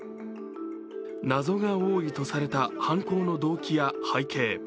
謎が多いとされた犯行の動機や背景。